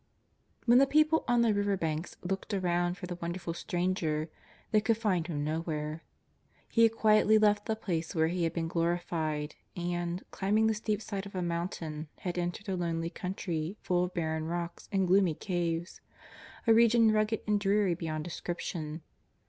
• "When the people on the river banks looked around for the wonderful Stranger they could find Him no where. He had quietly left the place where He had been glorified, and, climbing the steep side of a moun tain, had entered a lonely country full of barren rocks and gloomy caves, a region rugged and dreary beyond description.